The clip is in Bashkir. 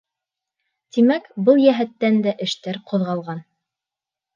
Тимәк, был йәһәттән дә эштәр ҡуҙғалған.